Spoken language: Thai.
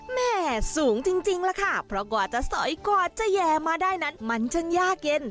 แม่สูงจริงล่ะค่ะเพราะกว่าจะสอยกว่าจะแย่มาได้นั้นมันช่างยากเย็น